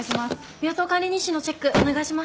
病棟管理日誌のチェックお願いします。